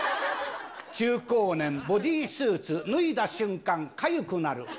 中高年、ボディースーツ、脱いだ瞬間、かゆくなる。